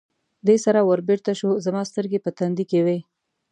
دې سره ور بېرته شو، زما سترګې په تندي کې وې.